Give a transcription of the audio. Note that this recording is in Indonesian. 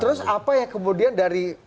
terus apa yang kemudian dari